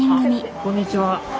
こんにちは。